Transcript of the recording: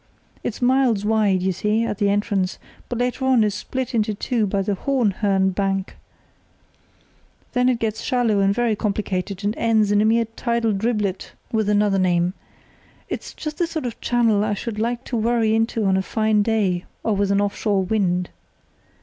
It's miles wide, you see, at the entrance, but later on it is split into two by the Hohenhörn bank: then it gets shallow and very complicated, and ends in a mere tidal driblet with another name. It's just the sort of channel I should like to worry into on a fine day or with an off shore wind.